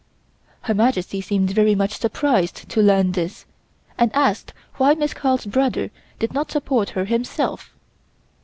Her Majesty seemed very much surprised to learn this, and asked why Miss Carl's brother did not support her himself.